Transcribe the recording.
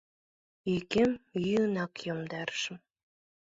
Йӱкем йӱынак йомдарышым...